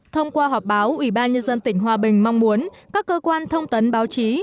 thông qua họp báo ủy ban nhân dân tỉnh hòa bình mong muốn các cơ quan thông tấn báo chí